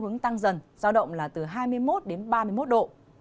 hướng tăng dần giao động là từ hai mươi một đến ba mươi một độ